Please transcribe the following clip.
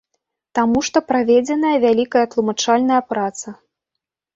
Таму што праведзеная вялікая тлумачальная праца.